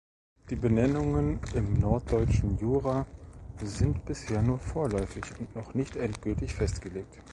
Die Benennungen im Norddeutschen Jura sind bisher nur vorläufig und noch nicht endgültig festgelegt.